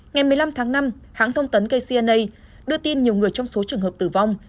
ngày một mươi năm tháng năm hãng thông tấn kcna đưa tin nhiều người trong số trường hợp tử vong